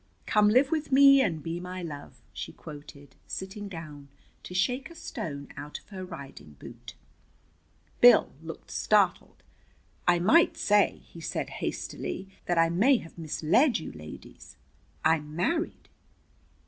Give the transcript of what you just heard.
'Come live with me and be my love,'" she quoted, sitting down to shake a stone out of her riding boot. Bill looked startled. "I might say," he said hastily, "that I may have misled you, ladies. I'm married."